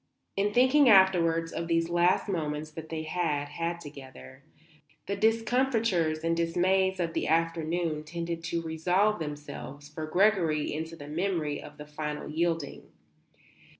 In thinking afterwards of these last moments that they had had together, the discomfitures and dismays of the afternoon tended to resolve themselves for Gregory into the memory of the final yielding.